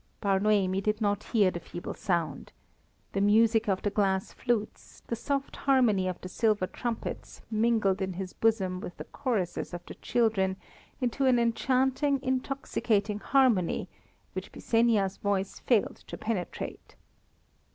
Bar Noemi did not hear the feeble sound. The music of the glass flutes, the soft harmony of the silver trumpets, mingled in his bosom with the choruses of the children into an enchanting, intoxicating harmony, which Byssenia's voice failed to penetrate.